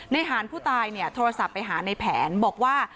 หารผู้ตายเนี่ยโทรศัพท์ไปหาในแผนบอกว่า